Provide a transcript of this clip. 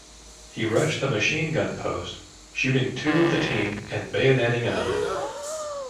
He rushed a machine gun post, shooting two of the team and bayoneting another.